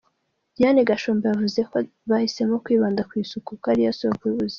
Diane Gashumba yavuze ko bahisemo kwibanda ku isuku kuko ari yo soko y’ubuzima.